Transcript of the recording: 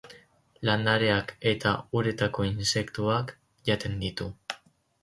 Landareak eta uretako intsektuak jaten ditu.